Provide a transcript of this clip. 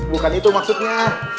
bukan itu maksudnya